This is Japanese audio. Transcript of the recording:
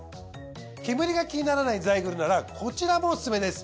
煙が気にならないザイグルならこちらもオススメです。